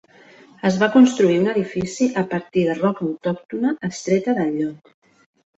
Es va construir un edifici a partir de roca autòctona extreta del lloc.